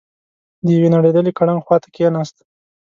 د يوې نړېدلې ګړنګ خواته کېناست.